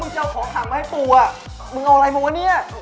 เจอกัน